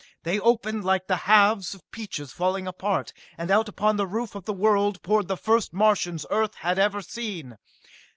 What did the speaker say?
They opened like the halves of peaches falling apart, and out upon the roof of the world poured the first Martians Earth had ever seen!